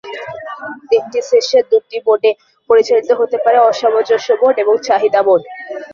একটি সেশন দুটি মোডে পরিচালিত হতে পারে: "অসামঞ্জস্য মোড" এবং "চাহিদা মোড"।